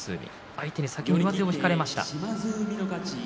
相手に上手を引かれました。